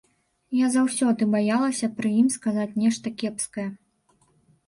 Я заўсёды баялася пры ім сказаць нешта кепскае.